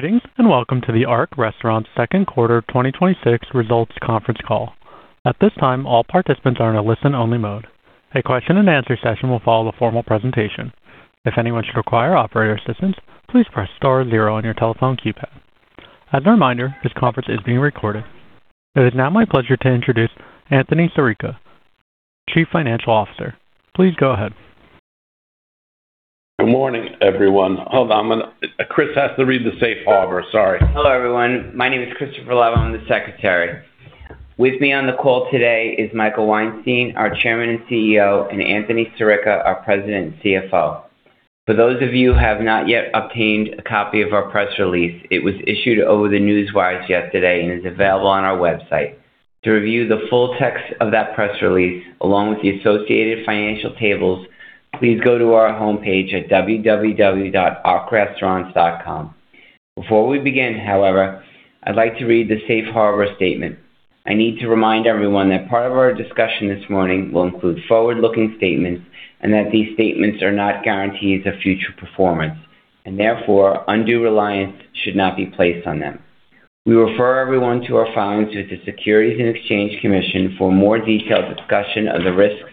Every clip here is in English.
Greetings, welcome to The Ark Restaurants second quarter 2026 results conference call. At this time, all participants are in a listen-only mode. A question-and-answer session will follow the formal presentation. If anyone should require operator assistance, please press star zero on your telephone keypad. As a reminder, this conference is being recorded. It is now my pleasure to introduce Anthony Sirica, Chief Financial Officer. Please go ahead. Good morning, everyone. Hold on, Chris has to read the Safe Harbor. Sorry. Hello, everyone. My name is Christopher Love. I'm the Secretary. With me on the call today is Michael Weinstein, our Chairman and CEO, and Anthony Sirica, our President and CFO. For those of you who have not yet obtained a copy of our press release, it was issued over the Newswire yesterday and is available on our website. To review the full text of that press release, along with the associated financial tables, please go to our homepage at www.arkrestaurants.com. Before we begin, however, I'd like to read the Safe Harbor statement. I need to remind everyone that part of our discussion this morning will include forward-looking statements and that these statements are not guarantees of future performance, and therefore, undue reliance should not be placed on them. We refer everyone to our filings with the Securities and Exchange Commission for more detailed discussion of the risks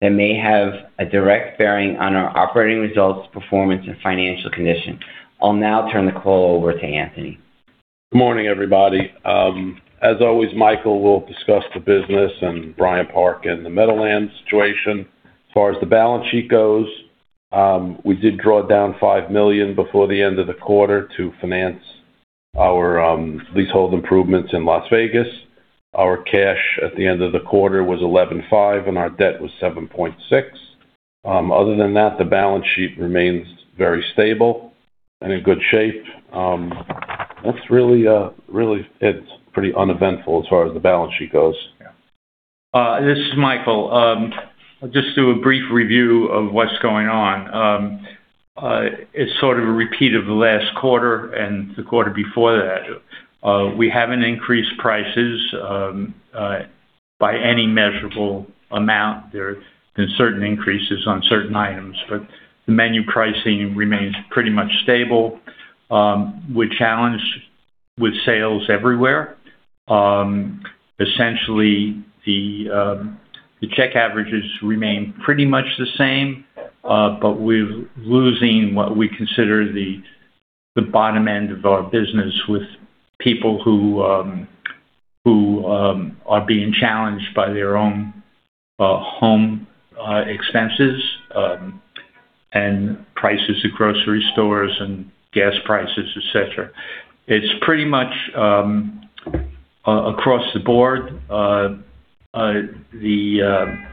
that may have a direct bearing on our operating results, performance, and financial condition. I'll now turn the call over to Anthony. Good morning, everybody. As always, Michael will discuss the business and Bryant Park and the Meadowlands situation. As far as the balance sheet goes, we did draw down $5 million before the end of the quarter to finance our leasehold improvements in Las Vegas. Our cash at the end of the quarter was $11.5 million, and our debt was $7.6 million. Other than that, the balance sheet remains very stable and in good shape. That's really it. Pretty uneventful as far as the balance sheet goes. Yeah. This is Michael. I'll just do a brief review of what's going on. It's sort of a repeat of the last quarter and the quarter before that. We haven't increased prices by any measurable amount. There have been certain increases on certain items, but the menu pricing remains pretty much stable. We're challenged with sales everywhere. Essentially, the check averages remain pretty much the same, but we're losing what we consider the bottom end of our business with people who are being challenged by their own home expenses and prices at grocery stores and gas prices, et cetera. It's pretty much across the board. The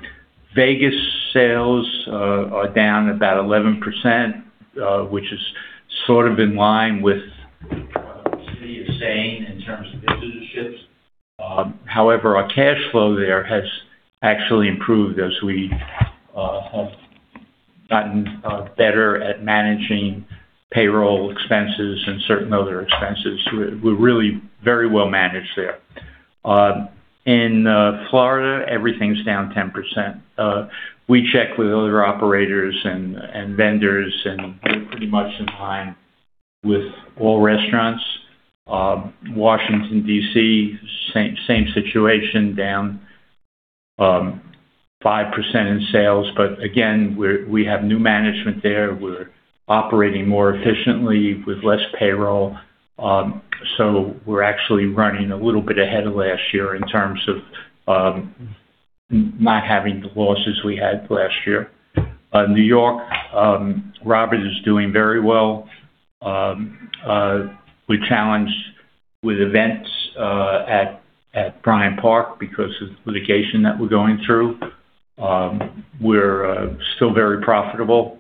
Vegas sales are down about 11%, which is sort of in line with what the city is saying in terms of visitorships. However, our cash flow there has actually improved as we have gotten better at managing payroll expenses and certain other expenses. We're really very well managed there. In Florida, everything's down 10%. We check with other operators and vendors, and we're pretty much in line with all restaurants. Washington D.C., same situation, down 5% in sales. Again, we have new management there. We're operating more efficiently with less payroll. We're actually running a little bit ahead of last year in terms of not having the losses we had last year. New York, Robert is doing very well. We challenge with events at Bryant Park because of litigation that we're going through. We're still very profitable,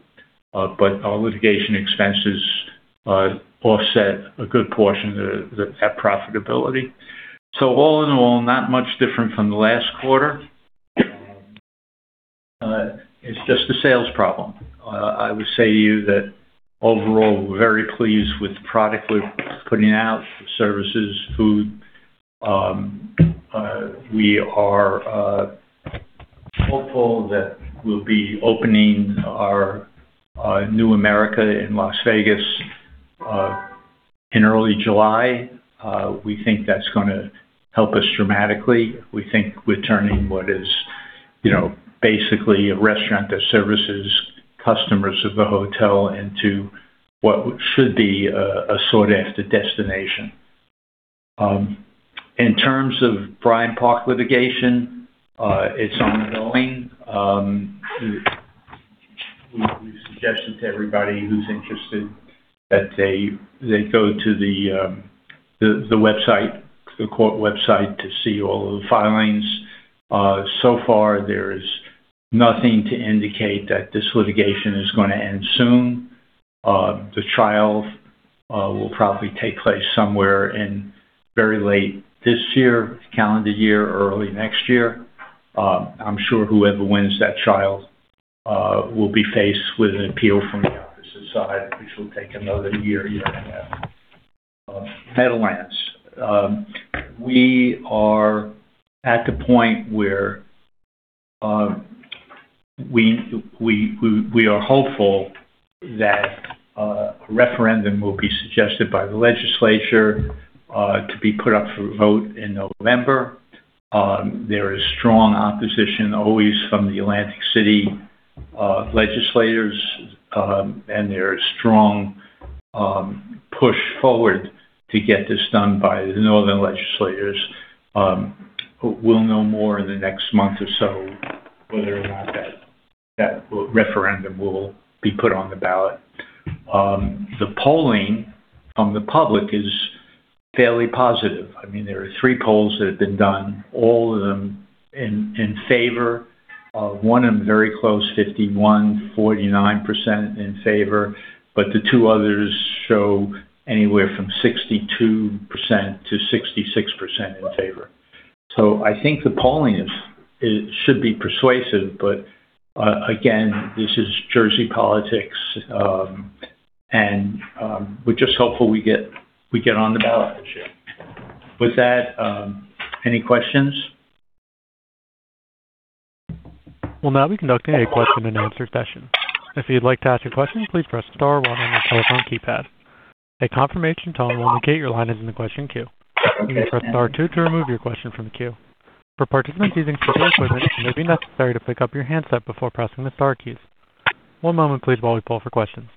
but our litigation expenses offset a good portion of that profitability. All in all, not much different from the last quarter. It's just a sales problem. I would say to you that overall, we're very pleased with the product we're putting out, services, food. We are hopeful that we'll be opening our new America in Las Vegas in early July. We think that's gonna help us dramatically. We think we're turning what is, you know, basically a restaurant that services customers of the hotel into what should be a sought after destination. In terms of Bryant Park litigation, it's ongoing. We suggested to everybody who's interested that they go to the website, the court website to see all of the filings. So far there is nothing to indicate that this litigation is going to end soon. The trial will probably take place somewhere in very late this year, calendar year or early next year. I'm sure whoever wins that trial will be faced with an appeal from the opposite side, which will take another year and a half. Meadowlands. We are at the point where we are hopeful that a referendum will be suggested by the legislature to be put up for a vote in November. There is strong opposition always from the Atlantic City legislators, and there is strong push forward to get this done by the northern legislators. We'll know more in the next month or so whether or not that referendum will be put on the ballot. The polling from the public is fairly positive. I mean, there are 3 polls that have been done, all of them in favor. One of them very close, 51%-49% in favor. The two others show anywhere from 62%-66% in favor. I think the polling is should be persuasive, but again, this is Jersey politics, and we're just hopeful we get on the ballot this year. With that, any questions? I will conduct a question-and-answer session. If you'd like to ask a question, please press star one on your telephone keypad. A confirmation tone will indicate your line is in the question queue. Please press star two to remove your question from the queue. For participants using speaker equipments may be necessary to pick up your handset before pressing the bar keys. One moment, please, while we pull for questions.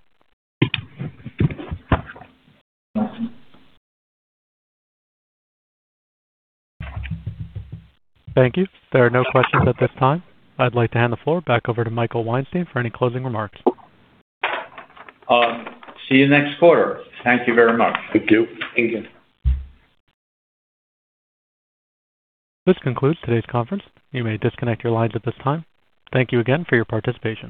I'd like to hand the floor back over to Michael Weinstein for any closing remarks. See you next quarter. Thank you very much. Thank you. Thank you. This concludes today's conference. You may disconnect your lines at this time. Thank you again for your participation.